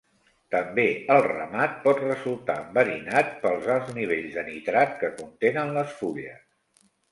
També el ramat pot resultar enverinat pels alts nivells de nitrat que contenen les fulles.